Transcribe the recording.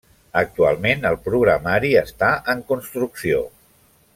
Actualment, el programari està en construcció.